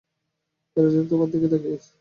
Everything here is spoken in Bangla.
এ রাজ্যটা তোমার দিকে তাকিয়ে আছে।